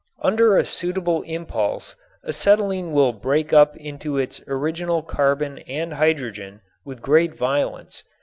Under a suitable impulse acetylene will break up into its original carbon and hydrogen with great violence.